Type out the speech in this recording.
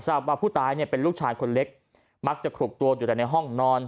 ว่าผู้ตายเนี่ยเป็นลูกชายคนเล็กมักจะขลุกตัวอยู่แต่ในห้องนอน